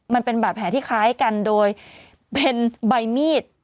มันเป็นบาดแผลที่คล้ายกันโดยเป็นใบมีด